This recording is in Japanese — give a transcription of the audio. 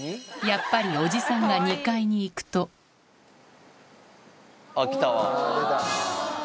やっぱりおじさんが２階に行くとあっ来たわ。